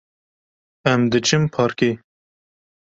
Em diçin parkê.